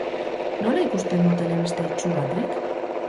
Nola ikusten du telebista itsu batek?